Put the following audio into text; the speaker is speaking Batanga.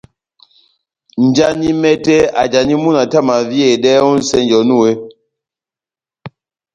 Njani mɛtɛ ajani múna tɛ́h amaviyedɛ ó nʼsɛnjɛ onu eeeh ?